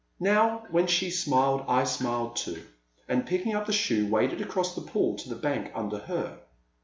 Now when she smiled I smiled too, and picking up the shoe waded across the pool to the bank under her.